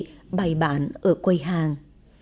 tất cả hoa hề bày bản ở quầy hàng